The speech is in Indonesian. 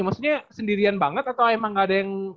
maksudnya sendirian banget atau emang gak ada yang